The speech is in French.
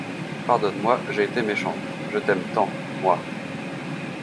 Pardonne-moi, j'ai été méchante, je t'aime tant, moi!